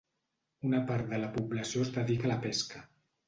Una part de la població es dedica a la pesca.